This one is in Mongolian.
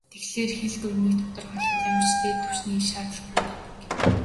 Тэгэхээр, хэлний дүрмийг тодорхойлоход ямар ч "дээд түвшний хэл" шаардлагагүй гэдэг.